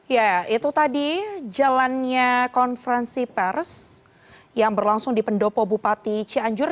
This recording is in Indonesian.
ya itu tadi jalannya konferensi pers yang berlangsung di pendopo bupati cianjur